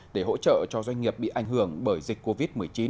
để hỗ trợ cho doanh nghiệp bị ảnh hưởng bởi dịch covid một mươi chín